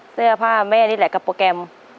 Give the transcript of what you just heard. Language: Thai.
เสื้อผ้าแม่นี่แหละกับโปรแกรม